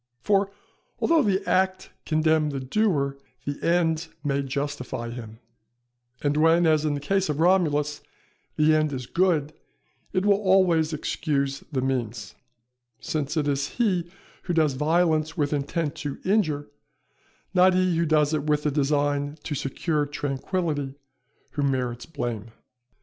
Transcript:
For although the act condemn the doer, the end may justify him; and when, as in the case of Romulus, the end is good, it will always excuse the means; since it is he who does violence with intent to injure, not he who does it with the design to secure tranquility, who merits blame.